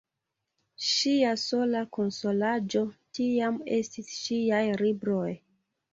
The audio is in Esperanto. Ŝia sola konsolaĵo tiam estis ŝiaj libroj.